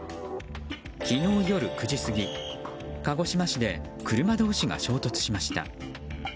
昨日夜９時過ぎ、鹿児島市で車同士が衝突しました。